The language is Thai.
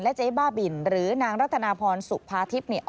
และเจ๊บ้าบิ่นหรือนางรัฐนาพรสุภาทิพย์